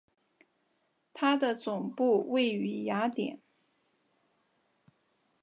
它的总部位于雅典。